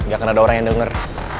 gak akan ada orang yang denger